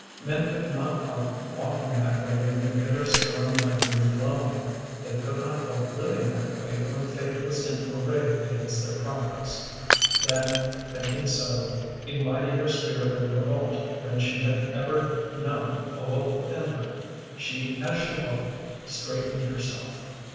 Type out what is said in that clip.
Men could not help walking that way when the bitter storm wind was blowing; they could not help living that way when fate was in array against their progress. Then, thinking so, a mightier spirit of revolt than she had ever known awoke within her. She, as she walked, straightened herself.